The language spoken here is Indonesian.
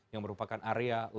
yang merupakan area lokal